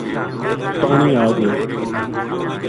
پانی آ گیو